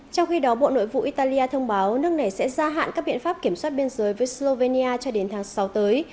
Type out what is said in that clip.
trong khi đó bộ nội vụ italia thông báo nước này sẽ gia hạn các biện pháp kiểm soát biên giới với slovenia cho đến tháng sáu tới